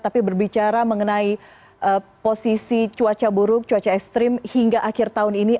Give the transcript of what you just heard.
tapi berbicara mengenai posisi cuaca buruk cuaca ekstrim hingga akhir tahun ini